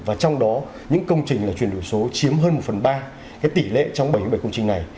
và trong đó những công trình là chuyển đổi số chiếm hơn một phần ba tỷ lệ trong bảy mươi bảy công trình này